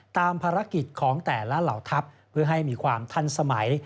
ตามภารกิจของแต่ละเหล่าทัพเพื่อให้มีความทันสมัย